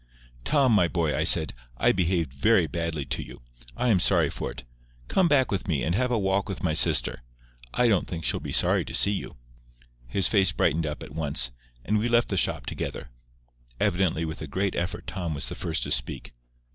"Tom, my boy," I said, "I behaved very badly to you. I am sorry for it. Come back with me, and have a walk with my sister. I don't think she'll be sorry to see you." His face brightened up at once, and we left the shop together. Evidently with a great effort Tom was the first to speak.